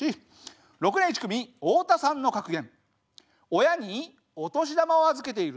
６年１組オオタさんの格言。